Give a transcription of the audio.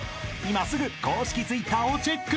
［今すぐ公式Ｔｗｉｔｔｅｒをチェック］